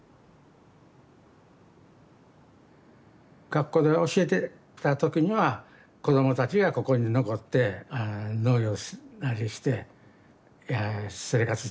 学校で教えてた時には子どもたちがここに残って農業なりして生活してほしいなゆう